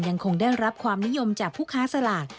ยังคงได้รับความนิยมจากผู้ค้าสลาก